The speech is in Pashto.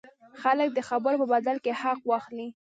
خلک دې د خبرو په بدل کې حق واخلي.